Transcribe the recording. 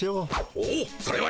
おおそれはいい。